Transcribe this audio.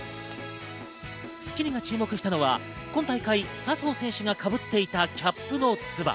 『スッキリ』が注目したのは今大会、笹生選手がかぶっていたキャップのつば。